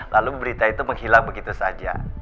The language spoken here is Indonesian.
lalu berita itu menghilang begitu saja